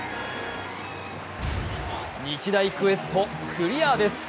日大クエスト、クリアです。